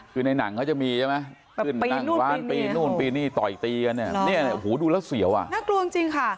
คือในหนังเขาจะมีใช่ไหมต่ออีกตีกันเนี่ยหูดูแล้วเสี่ยวน่ากลวงจริงค่ะ